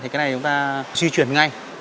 thì cái này chúng ta di chuyển ngay